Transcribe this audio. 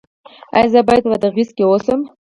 ایا زه باید په بادغیس کې اوسم؟